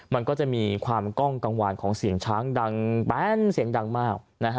มันก็จะมีความกล้องกังวานของเสียงช้างดังแบนเสียงดังมาก